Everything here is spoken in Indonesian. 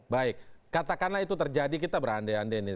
baik katakanlah itu terjadi kita berande ande nih